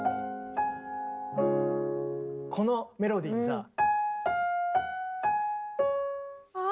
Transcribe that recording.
このメロディーにさ。